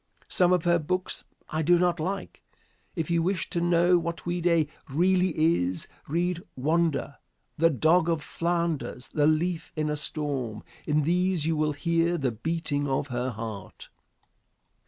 Some of her books I do not like. If you wish to know what Ouida really is, read "Wanda," "The Dog of Flanders," "The Leaf in a Storm." In these you will hear the beating of her heart.